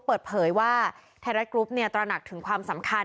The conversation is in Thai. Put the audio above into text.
เปิดเผยว่าไทยรัฐกรุ๊ปตระหนักถึงความสำคัญ